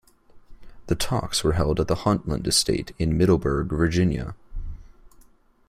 The talks were held at the Huntland estate at Middleburg, Virginia.